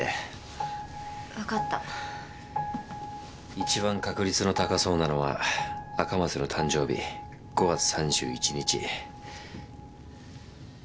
一番確率の高そうなのは赤松の誕生日５月３１日。